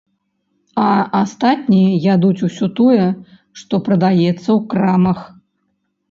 А астатнія ядуць усё тое, што прадаецца ў крамах.